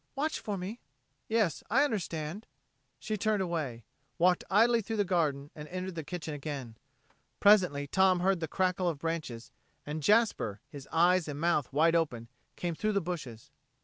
Watch for me." "Yes I understand." She turned away, walked idly through the garden, and entered the kitchen again. Presently Tom heard the crackle of branches, and Jasper, his eyes and mouth wide open, came through the bushes.